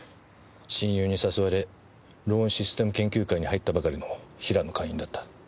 親友に誘われローンシステム研究会に入ったばかりのヒラの会員だった。